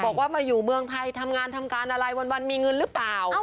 บอกว่ามาอยู่เมืองไทยทำงานทำการอะไรวันมีเงินหรือเปล่า